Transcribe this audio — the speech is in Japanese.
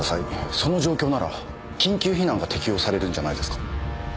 その状況なら緊急避難が適用されるんじゃないですか？